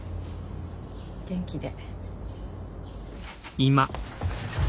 元気で。